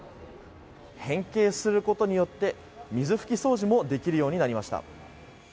変形することによって水拭き掃除もできるようになりました。